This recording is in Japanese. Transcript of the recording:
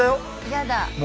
やだ！